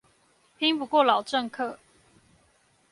拼不過老政客